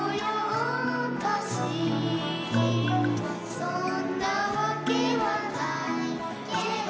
「そんなわけはないけれど」